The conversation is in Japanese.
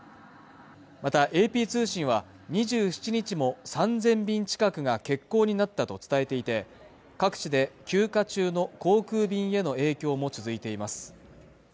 またＡＰ通信は２７日も３０００便近くが欠航になったと伝えていて各地で休暇中の航空便への影響も続いています